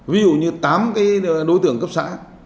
ví dụ như tám cái đối tượng cấp xã